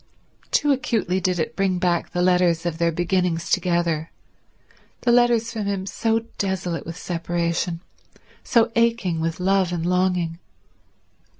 Too acutely did it bring back the letters of their beginnings together, the letters from him so desolate with separation, so aching with love and longing.